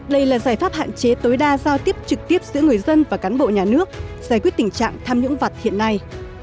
đây là giải pháp hạn chế tối đa giao tiếp trực tiếp giữa người dân và cán bộ nhà nước giải quyết tình trạng tham nhũng vật hiện nay